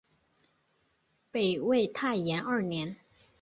北魏太延二年。